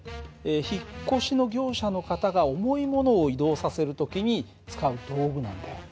引っ越しの業者の方が重いものを移動させる時に使う道具なんだよ。